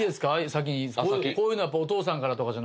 先にこういうのはやっぱお父さんからとかじゃ？